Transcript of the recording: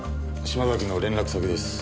島崎の連絡先です。